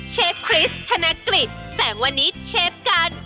เชฟคริสธนกริตแสงวนิสเชฟกัล